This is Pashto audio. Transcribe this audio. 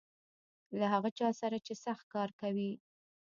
له هغه چا سره چې سخت کار کوي .